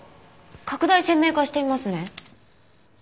拡大鮮明化してみますね。